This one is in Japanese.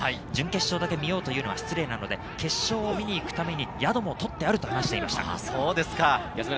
準決勝だけ見ようというのは失礼なので、決勝を見に行くために宿も取ってあると話しています。